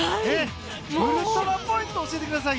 ウルトラポイントを教えてください。